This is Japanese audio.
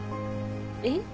えっ？